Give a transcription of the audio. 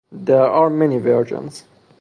There are many versions.